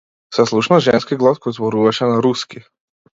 Се слушна женски глас кој зборуваше на руски.